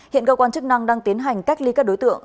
hiện cơ quan chức năng đang tiến hành cách ly các đối tượng